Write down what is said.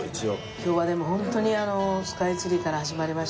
今日はでもホントにスカイツリーから始まりまして。